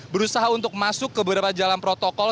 berusaha untuk masuk ke beberapa jalan protokol